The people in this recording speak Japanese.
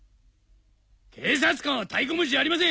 警察官はたいこ持ちじゃありません！